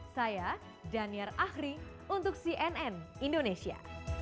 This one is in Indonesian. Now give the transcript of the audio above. saya daniar ahri untuk cnn indonesia